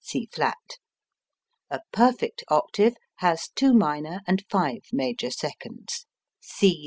C C[flat]. A perfect octave has two minor and five major seconds.